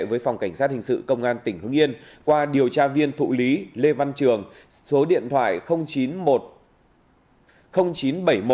với phòng cảnh sát hình sự công an tỉnh hưng yên qua điều tra viên thụ lý lê văn trường số điện thoại chín trăm bảy mươi một hai trăm hai mươi tám nghìn sáu trăm tám mươi ba